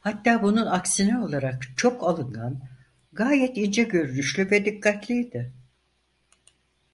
Hatta bunun aksine olarak çok alıngan, gayet ince görünüşlü ve dikkatliydi.